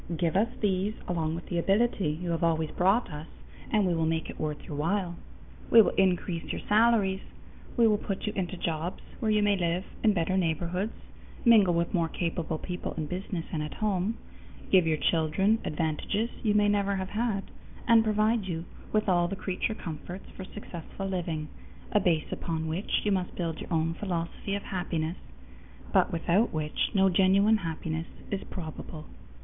Give us these along with the ability you have always brought us, and we will make it worth your while. We will increase your salaries. We will put you into jobs where you may live in better neighborhoods, mingle with more capable people in business and at home, give your children advantages you may never have had, and provide you with all the creature comforts for successful living, a base upon which you must build your own philosophy of happiness, but without which no genuine happiness is probable.